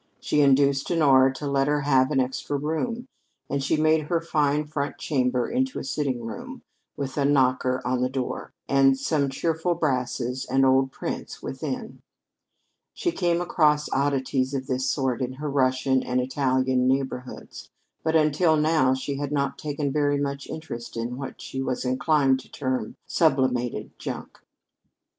She induced Honora to let her have an extra room, and she made her fine front chamber into a sitting room, with a knocker on the door, and some cheerful brasses and old prints within. She came across oddities of this sort in her Russian and Italian neighborhoods, but until now she had not taken very much interest in what she was inclined to term "sublimated junk."